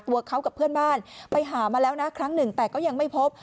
ตัวเขากับเพื่อนบ้านไปหามาแล้วนะครั้งหนึ่งแต่ก็ยังไม่พบ